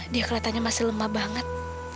dia kelihatannya masih lemah banget